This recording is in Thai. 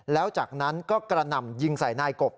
แล้วจากนั้นก็กระหน่ำยิงใส่นายกบ